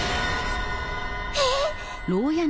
えっ！